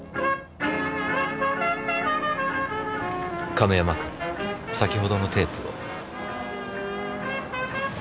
亀山君先ほどのテープを。